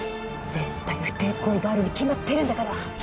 絶対に不貞行為があるに決まってるんだから。